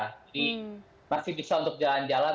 jadi masih bisa untuk jalan jalan